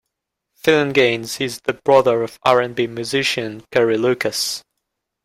Phillinganes is the brother of R and B musician Carrie Lucas.